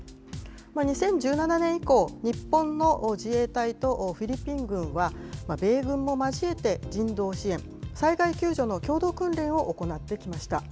２０１７年以降、日本の自衛隊とフィリピン軍は、米軍も交えて人道支援・災害救助の共同訓練を行ってきました。